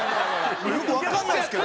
よくわかんないですけど。